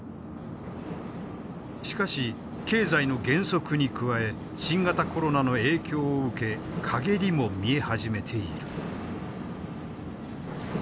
しかし経済の減速に加え新型コロナの影響を受け陰りも見え始めている。